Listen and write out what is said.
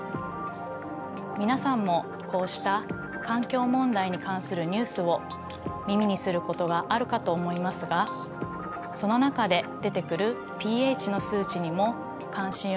皆さんもこうした環境問題に関するニュースを耳にすることがあるかと思いますがその中で出てくるｐＨの数値にも関心を持ってもらえればと思います。